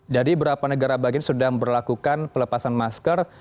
dari berapa negara bagian sudah berlakukan pelepasan masker